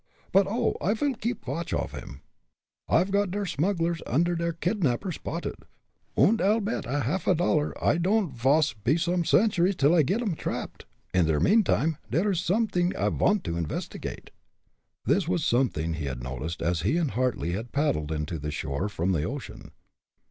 But, oh! I'll keep watch of him! I've got der smugglers und der kidnapper spotted, und I'll bet a half dollar id don'd vas be some centuries till I get 'em trapped. In der meantime, der is somet'ing I vant to investigate." This was something he had noticed as he and Hartly had paddled in to the shore from the ocean.